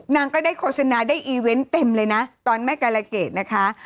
นางก็ได้โฆษณาได้อีเวนต์เต็มเลยนะตอนแม่กาลเกดนะคะ